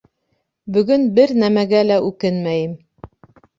Бөгөн бер нәмәгә лә үкенмәйем.